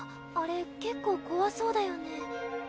あれ結構怖そうだよね。